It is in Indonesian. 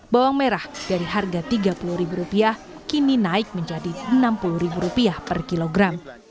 bawang merah dari harga rp tiga puluh kini naik menjadi rp enam puluh per kilogram